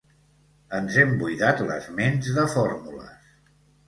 Ens hem buidat les ments de fórmules.